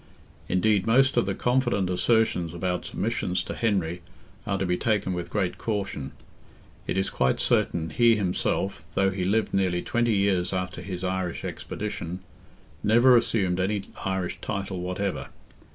Indeed, most of the confident assertions about submissions to Henry are to be taken with great caution; it is quite certain he himself, though he lived nearly twenty years after his Irish expedition, never assumed any Irish title whatever.